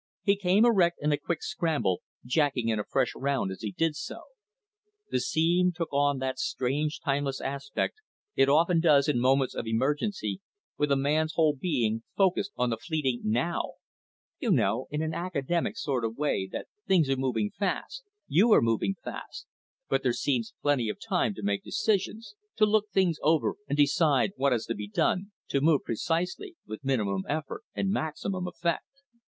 He came erect in a quick scramble, jacking in a fresh round as he did so. The scene took on that strange timeless aspect it often does in moments of emergency, with a man's whole being focused on the fleeting now you know, in an academic sort of way, that things are moving fast, you are moving fast yourself, but there seems plenty of time to make decisions, to look things over and decide what has to be done, to move precisely, with minimum effort and maximum effect.